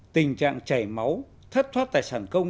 tình trạng chảy máu thất thoát tài sản công